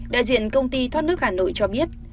đại diện công ty thoát nước hà nội cho biết